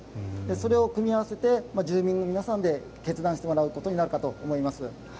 それを組み合わせて住民の皆さんで決断してもらうことになるかと思います。